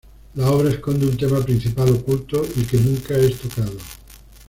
La obra esconde un tema principal oculto y que nunca es tocado.